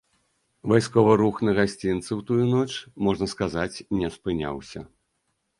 Вайсковы рух на гасцінцы ў тую ноч, можна сказаць, не спыняўся.